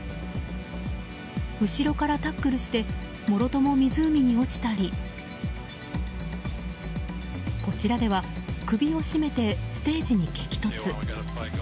後ろからタックルしてもろとも湖に落ちたりこちらでは、首を絞めてステージに激突。